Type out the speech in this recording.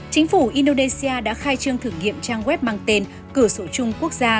chính phủ indonesia đã khai trương thử nghiệm trang web mang tên cửa sổ chung quốc gia